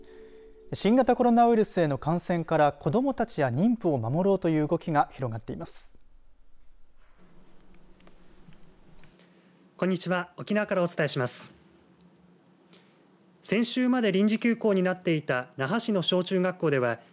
新型コロナウイルスへの感染から子どもたちや妊婦を守ろうという動きが広がっています。